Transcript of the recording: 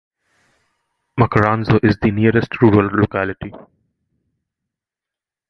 Makarzno is the nearest rural locality.